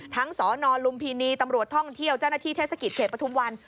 สนลุมพินีตำรวจท่องเที่ยวเจ้าหน้าที่เทศกิจเขตปฐุมวัน